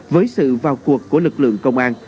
với sự vào cuộc của lực lượng công an